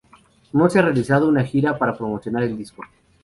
No se ha realizado una gira para promocionar el disco.